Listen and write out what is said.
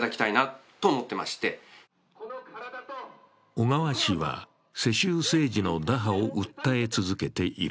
小川氏は世襲政治の打破を訴え続けている。